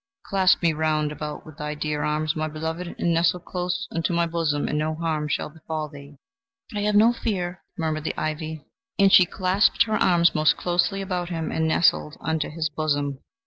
Clasp me round about with thy dear arms, my beloved, and nestle close unto my bosom, and no harm shall befall thee." "I have no fear," murmured the ivy; and she clasped her arms most closely about him and nestled unto his bosom.